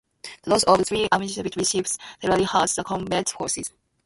The loss of the three ammunition Victory ships severely hurt the combat forces.